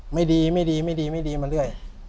ไม่ดีไม่ดีไม่ดีไม่ดีมาเรื่อย